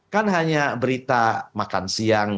kan hanya berita makan siang